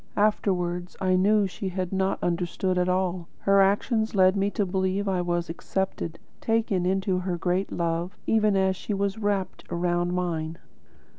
Afterwards I knew she had not understood at all. Her actions led me to believe I was accepted, taken into her great love, even as she was wrapped around by mine.